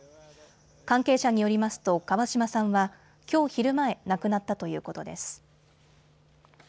関係者によりますと川嶋さんはきょう昼前、亡くなったということです。